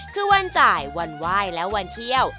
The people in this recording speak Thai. คือวันจ่ายวันไหว้และวันเที่ยว